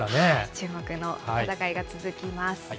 注目の戦いが続きます。